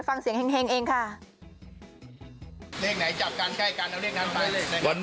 เปลี่ยนสไตล์บ้างครับ